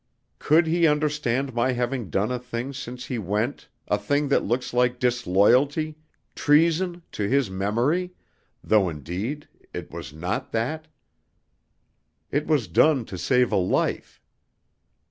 Could he understand my having done a thing since he went, a thing that looks like disloyalty treason to his memory, though indeed it was not that. It was done to save a life.